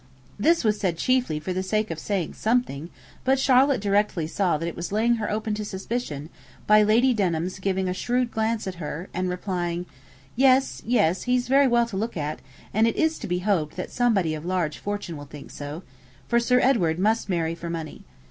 This was said chiefly for the sake of saying something; but Charlotte directly saw that it was laying her open to suspicion, by Lady Denham's giving a shrewd glance at her, and replying, 'Yes, yes; he's very well to look at; and it is to be hoped that somebody of large fortune will think so; for Sir Edward must marry for money.